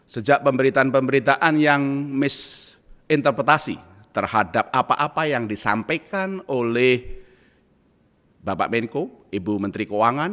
sejak pemberitaan pemberitaan yang misinterpretasi terhadap apa apa yang disampaikan oleh bapak menko ibu menteri keuangan